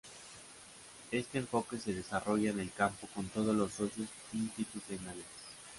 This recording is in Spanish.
Este enfoque se desarrolla en el campo con todos los socios institucionales.